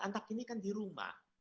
anak ini kan di rumah